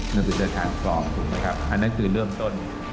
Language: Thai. นักวิทยาศาสตร์ฟรองอันนั้นคือเรื่องต้น